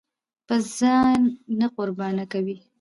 به ځان نه قرباني کوئ!